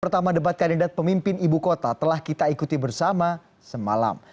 pertama debat kandidat pemimpin ibu kota telah kita ikuti bersama semalam